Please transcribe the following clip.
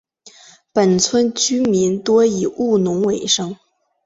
本村居民多以务农为生。